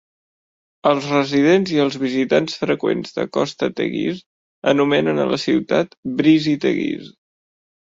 Els residents i els visitants freqüents de Costa Teguise anomenen a la ciutat "Breezy Teguise".